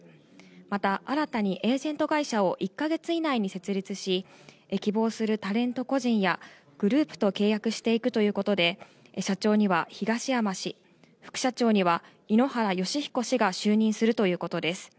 また新たにエージェント会社を１か月以内に設立し、希望するタレント個人やグループと契約していくということで、社長には東山氏、副社長には井ノ原快彦氏が就任するということです。